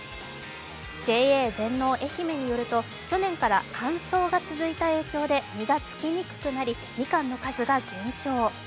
ＪＡ全農えひめによると去年から乾燥が続いた影響で実がつきにくくなり、みかんの数が減少。